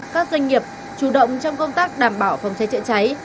các doanh nghiệp chủ động trong công tác đảm bảo phòng cháy chữa cháy